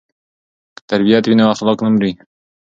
که تربیت وي نو اخلاق نه مري.